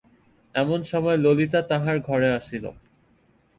এমন সময় ললিতা তাহার ঘরে আসিল।